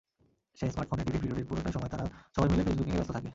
সেই স্মার্টফোনে টিফিন পিরিয়ডের পুরোটা সময় তারা সবাই মিলে ফেসবুকিংয়ে ব্যস্ত থাকে।